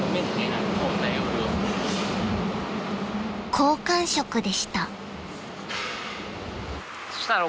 ［好感触でした］